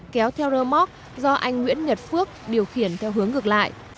kéo theo rơ móc do anh nguyễn nhật phước điều khiển theo hướng ngược lại